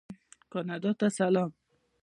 کاناډا ته سلام.